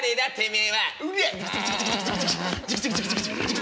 え？